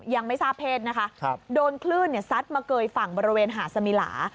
ยังไม่ทราบเพศนะคะโดนคลื่นซัดมาเกยฝั่งบริเวณหาดสมิลา